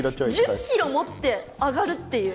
１０ｋｇ持って上がるっていう。